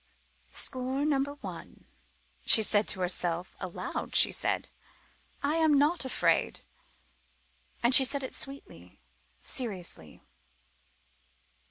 "Score number one," she said to herself. Aloud she said "I am not afraid," and she said it sweetly, seriously.